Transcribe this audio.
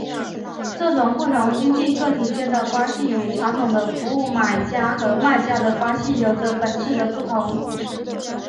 这种不同经济个体间的关系与传统的服务买家和卖家的关系有着本质的不同。